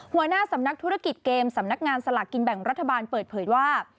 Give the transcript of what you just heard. หัวหน้าสำนักธุรกิจเกมสำนักงานสลากกินแบ่งรัฐบาลเปิดเผยว่า